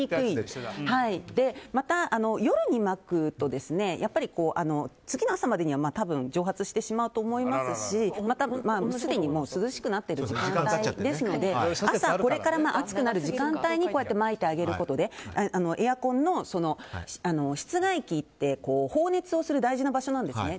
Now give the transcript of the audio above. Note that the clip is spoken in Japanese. そして、また夜にまくと次の朝までには蒸発してしまうと思いますしまた、すでに涼しくなっている時間帯ですので朝、これから暑くなる時間帯にまいてあげることでエアコンの室外機って放熱をする大事な場所なんですね。